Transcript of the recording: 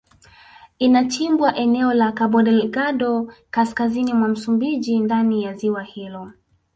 Inachimbwa eneo la Kabodelgado kaskazini mwa Msumbiji ndani ya ziwa hilo